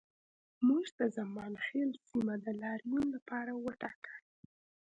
موږ د زمانخیل سیمه د لاریون لپاره وټاکه